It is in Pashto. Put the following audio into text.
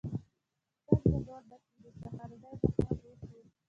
څنګه نور نه کېنو؟ سهارنۍ به هم وخورو.